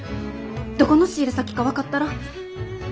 どこの仕入れ先か分かったら。